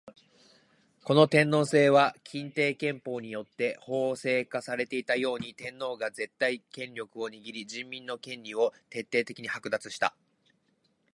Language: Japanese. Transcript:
この天皇制は欽定憲法によって法制化されていたように、天皇が絶対権力を握り人民の権利を徹底的に剥奪した。